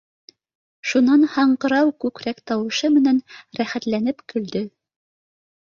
Шунан һаңғырау күкрәк тауышы менән рәхәтләнеп көлдө